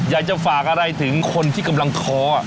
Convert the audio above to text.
อยากจะฝากอะไรถึงคนที่กำลังท้อ